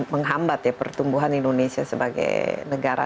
ini karena akan menghambat ya pertumbuhan indonesia sebagai negara